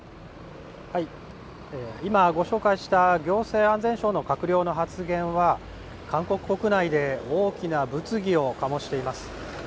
今ご紹介した行政安全省の閣僚は韓国内で大きな物議をかもしています。